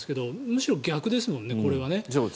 むしろ逆ですもんね、これは。